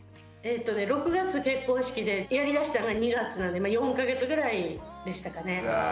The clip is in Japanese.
えっとね６月結婚式でやりだしたのが２月なんでまあ４か月ぐらいでしたかね。